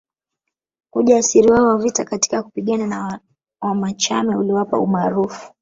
Ujasiri wao wa vita katika kupigana na Wamachame uliwapa umaarufu